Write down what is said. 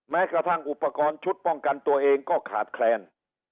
แม้กระทั่งอุปกรณ์ชุดป้องกันตัวเองก็ขาดแคลน